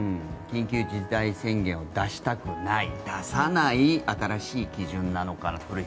緊急事態宣言を出したくない、出さない新しい基準なのかなと。